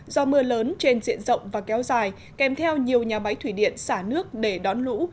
do mưa lớn trên diện rộng và kéo dài kèm theo nhiều nhà máy thủy điện xả nước để đón lũ